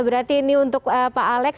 berarti ini untuk pak alex